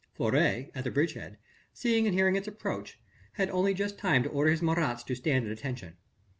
Fleury at the bridge head, seeing and hearing its approach, had only just time to order his Marats to stand at attention.